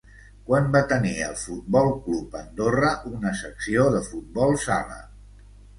Quan va tenir el Futbol Club Andorra una secció de futbol sala?